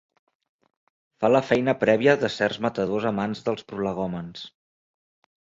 Fa la feina prèvia de certs matadors amants dels prolegòmens.